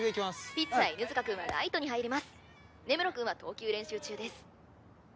ピッチャー犬塚くんはライトに入ります根室くんは投球練習中です